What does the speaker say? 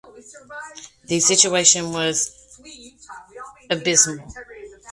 The situation was abysmal.